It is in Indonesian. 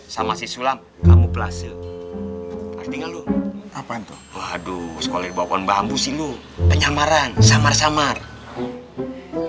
sama si sulam kamu pelasih ngerti ngerti ngerti ngerti ngerti ngerti ngerti ngerti ngerti ngerti ngerti